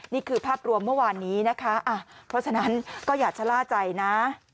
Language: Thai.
นี่คือภาพรวมเมื่อวานนี้นะคะเพราะฉะนั้นก็อย่าชะล่าใจนะ